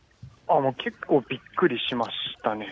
結構びっくりしましたね。